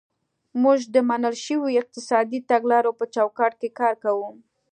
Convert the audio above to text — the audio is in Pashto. موږ د منل شویو اقتصادي تګلارو په چوکاټ کې کار کوو.